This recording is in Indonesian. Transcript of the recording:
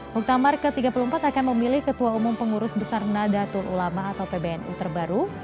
muktamar ke tiga puluh empat akan memilih ketua umum pengurus besar nadatul ulama atau pbnu terbaru